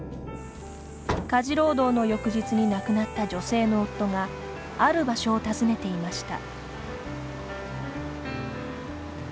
家事労働の翌日に亡くなった女性の夫がある場所を訪ねていました。